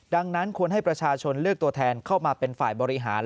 ดังนั้นควรให้ประชาชนเลือกตัวแทนเข้ามาเป็นฝ่ายบริหาร